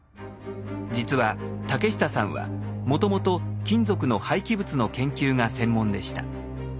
実は竹下さんはもともと金属の廃棄物の研究が専門でした。